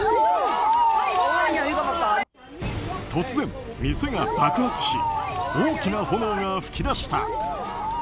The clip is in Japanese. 突然、店が爆発し大きな炎が噴き出した。